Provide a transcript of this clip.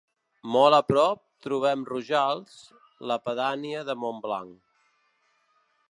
Molt a prop, trobem Rojals, la pedania de Montblanc.